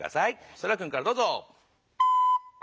そらくんからどうぞ。